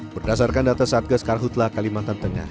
berdasarkan data satgas karhutlah kalimantan tengah